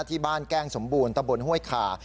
ที่บ้านแก้งสมบูรณ์ตะบนห้วยขา